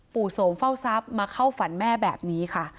โสมเฝ้าทรัพย์มาเข้าฝันแม่แบบนี้ค่ะ